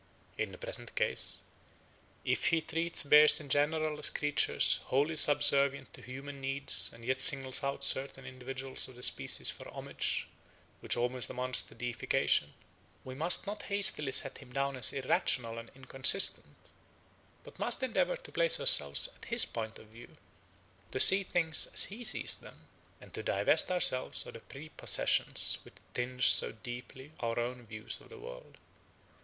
In the present case, if he treats bears in general as creatures wholly subservient to human needs and yet singles out certain individuals of the species for homage which almost amounts to deification, we must not hastily set him down as irrational and inconsistent, but must endeavour to place ourselves at his point of view, to see things as he sees them, and to divest ourselves of the prepossessions which tinge so deeply our own views of the world.